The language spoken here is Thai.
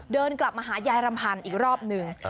เดินกลับมาหายายรำพันธ์อีกรอบหนึ่ง